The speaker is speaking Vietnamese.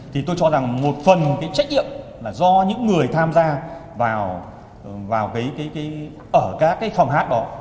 thì tôi cho rằng một phần cái trách nhiệm là do những người tham gia vào ở các cái phòng hát đó